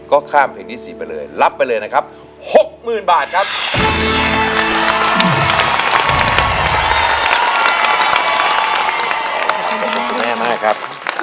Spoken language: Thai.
ก็ข้ามเพลงที่สี่ไปเลยรับไปเลยนะครับหกหมื่นบาทครับ